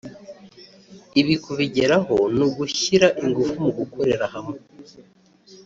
Ibi kubigeraho ni ugushyira ingufu mu gukorera hamwe